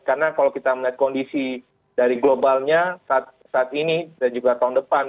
karena kalau kita melihat kondisi dari globalnya saat ini dan juga tahun depan